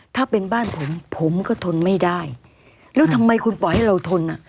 ถ้าเป็นบ้านผมผมก็ทนไม่ได้แล้วทำไมคุณปล่อยให้เราทนอ่ะ